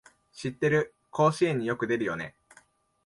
知ってる、甲子園によく出るよね